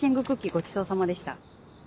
ごちそうさまでした。